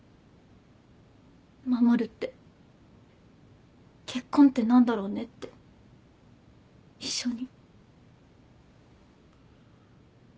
守るって結婚って何だろうねって一緒に。